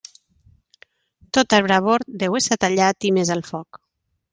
Tot arbre bord deu esser tallat i mes al foc.